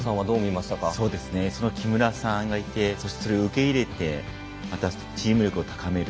その木村さんがいてそれを受け入れてまた、チーム力を高める。